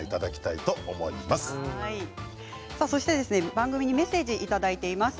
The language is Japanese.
番組にメッセージをいただきました。